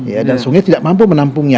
ya dan sungai tidak mampu menampungnya